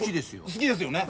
好きですよね